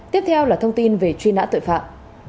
tiếp theo là thông tin về truy nã tội phạm